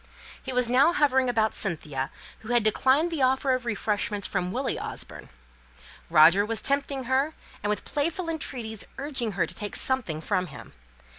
He was now hovering about Cynthia, who had declined the offer of refreshments from Willie Orford. Roger was tempting her, and with playful entreaties urging her to take some thing from him.